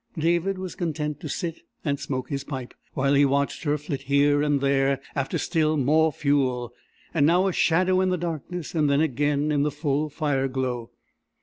David was content to sit and smoke his pipe while he watched her flit here and there after still more fuel, now a shadow in the darkness, and then again in the full fireglow.